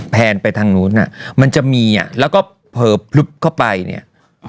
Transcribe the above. แนนไปทางนู้นอ่ะมันจะมีอ่ะแล้วก็เผลอพลึบเข้าไปเนี่ย